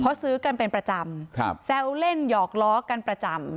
เพราะซื้อกันเป็นประจำครับแซวเล่นหยอกล้อกันประจำ